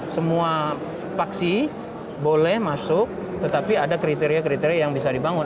semua paksi boleh masuk tetapi ada kriteria kriteria yang bisa dibangun